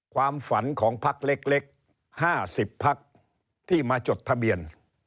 ความฝันของพักเล็ก๕๐พักที่มาจดทะเบียน